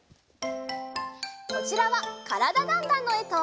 こちらは「からだ★ダンダン」のえと。